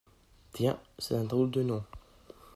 Tiens, cʼest un drôle de nom.